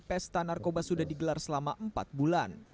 pesta narkoba sudah digelar selama empat bulan